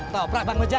toplah bang uja